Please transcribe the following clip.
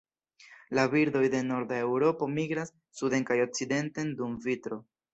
La birdoj de norda Eŭropo migras suden kaj okcidenten dum vintro.